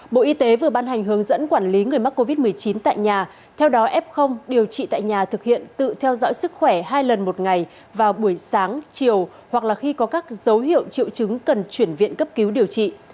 bộ y tế vừa ban hành hướng dẫn quản lý người mắc covid một mươi chín tại nhà theo đó f điều trị tại nhà thực hiện tự theo dõi sức khỏe hai lần một ngày vào buổi sáng chiều hoặc là khi có các dấu hiệu triệu chứng cần chuyển viện cấp cứu điều trị